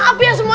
jadi rusak semua